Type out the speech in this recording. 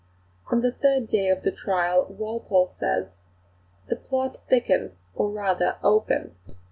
On the third day of the trial Walpole says: "The plot thickens, or rather opens.